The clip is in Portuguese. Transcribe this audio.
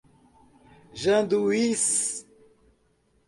Janduís